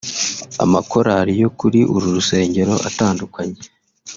Amakorari yo kuri uru rusengero atandukanye